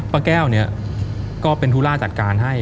ป้าแก้วเนี่ยก็เป็นธุระจัดการให้